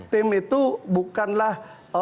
tim itu bukanlah